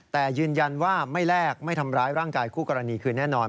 แต่ยืนยันว่าไม่แลกไม่ทำร้ายร่างกายคู่กรณีคือแน่นอน